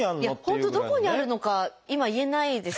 本当どこにあるのか今言えないです